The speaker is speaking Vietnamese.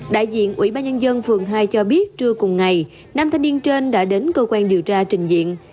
đại diện ủy ban nhân dân phường hai cho biết trưa cùng ngày năm thanh niên trên đã đến cơ quan điều tra trình diện